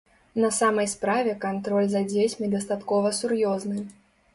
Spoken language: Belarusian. На самай справе кантроль за дзецьмі дастаткова сур'ёзны.